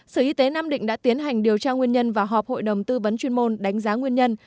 sở y tế nam định đã tiến hành điều tra nguyên nhân và họp hội đồng tư vấn chuyên môn đánh giá nguyên nhân